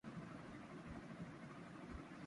أپنی قمیض اُتار کر لیٹ جاؤ